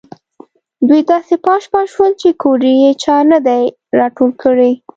دوی داسې پاش پاش شول چې کودړي یې چا نه دي راټول کړي.